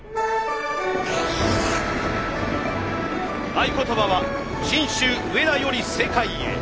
合言葉は「信州上田より世界へ」。